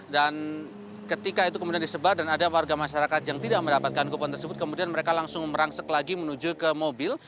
dan ketika itu kemudian disebar dan ada warga masyarakat yang tidak mendapatkan kupon tersebut kemudian mereka langsung merangsek lagi menuju ke mobil